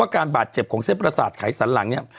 การบาดเจ็บของเส้นประสาทไขสันหลังเนี่ย